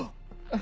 あ。